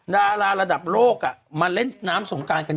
ดาราระดับโลกมาเล่นน้ำสงการกัน